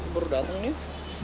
baru dateng nih